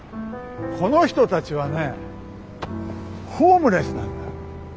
この人たちはねホームレスなんだ。